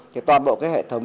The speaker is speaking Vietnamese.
thì toàn bộ cái hệ thống